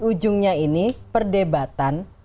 ujungnya ini perdebatan